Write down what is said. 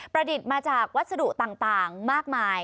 ดิษฐ์มาจากวัสดุต่างมากมาย